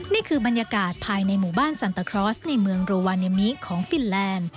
นี่คือบรรยากาศภายในหมู่บ้านสันตะครอสในเมืองโรวาเนมิของฟินแลนด์